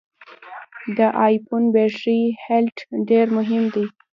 د ای فون بټري هلټ ډېر مهم دی.